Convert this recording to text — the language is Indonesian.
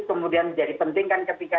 kemudian menjadi penting kan ketika